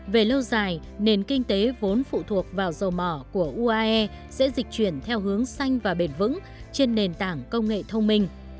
về lâu dài nền kinh tế vốn phụ thuộc vào dầu mỏ của uae sẽ dịch chuyển theo hướng xanh và bền vững trên nền tảng công nghệ thông minh